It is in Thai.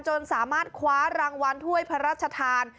จนสามารถคว้ารางวัลถ้วยพระราชทาน